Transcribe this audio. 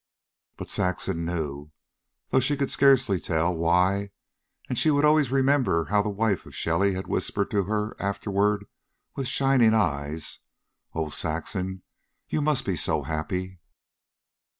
But Saxon knew, though she could scarcely tell why; and she would always remember how the wife of Shelley had whispered to her afterward with shining eyes: "Oh, Saxon, you must be so happy."